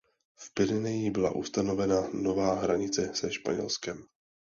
V Pyrenejích byla ustanovena nová hranice se Španělskem.